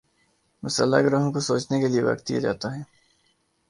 مسلح گروہوں کو سوچنے کے لیے وقت دیا جا سکتا ہے۔